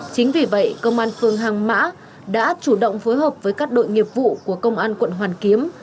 chính vì vậy công an phường hàng mã đã chủ động phối hợp với các đội nghiệp vụ của công an quận hoàn kiếm